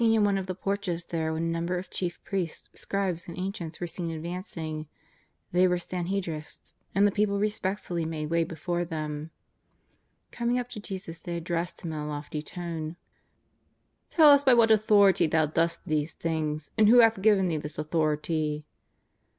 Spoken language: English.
317 in one of the Porches there when a number of chief priests, scribes and ancients were seen advancing. They were Sanhedrists, and the people respectfully made way before them. Coming up to Jesus, they ad dressed Him in a lofty tone :^' Tell us by what authority Thou dost these things, and who hath giA^en Thee this authority."